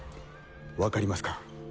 わかりますか？